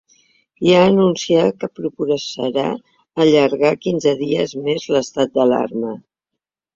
I ha anunciat que proposarà d’allargar quinze dies més l’estat d’alarma.